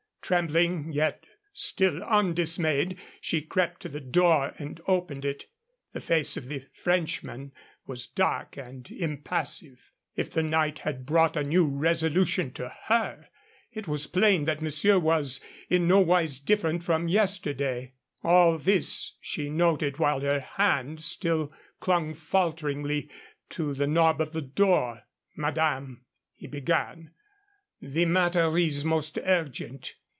Trembling, yet still undismayed, she crept to the door and opened it. The face of the Frenchman was dark and impassive. If the night had brought a new resolution to her, it was plain that monsieur was in no wise different from yesterday. All this she noted while her hand still clung falteringly to the knob of the door. "Madame," he began, "the matter is most urgent.